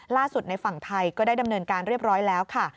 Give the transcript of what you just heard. ในฝั่งไทยก็ได้ดำเนินการเรียบร้อยแล้วค่ะ